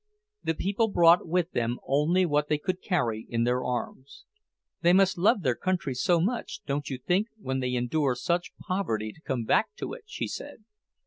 The people brought with them only what they could carry in their arms. "They must love their country so much, don't you think, when they endure such poverty to come back to it?" she said.